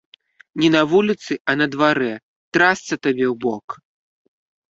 Не на вуліцы, а на дварэ, трасца табе ў бок!